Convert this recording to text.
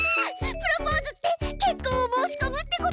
プロポーズって結こんを申しこむってことでしょ？